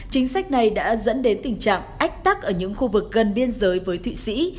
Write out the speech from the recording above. chính sách này đã dẫn đến tình trạng ách tắc ở những khu vực gần biên giới với thụy sĩ